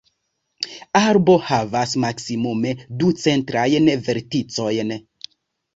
Arbo havas maksimume du centrajn verticojn.